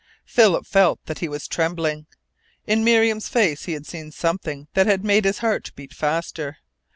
Philip felt that he was trembling. In Miriam's face he had seen something that had made his heart beat faster.